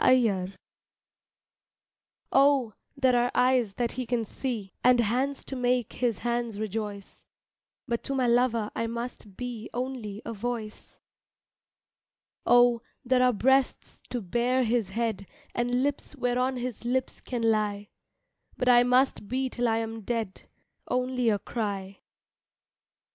A CRY OH, there are eyes that he can see, And hands to make his hands rejoice, But to my lover I must be Only a voice. Oh, there are breasts to bear his head, And lips whereon his lips can lie, But I must be till I am dead Only a cry.